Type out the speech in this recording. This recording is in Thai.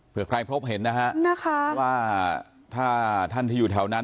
เพื่อใครพบเห็นนะฮะว่าถ้าท่านที่อยู่แถวนั้น